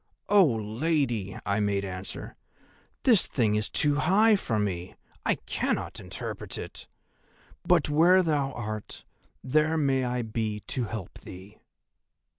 "'Oh, Lady,' I made answer, 'this thing is too high for me, I cannot interpret it; but where thou art, there may I be to help thee.